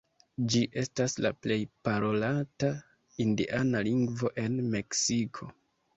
Ĝi estas la plej parolata indiana lingvo en Meksiko.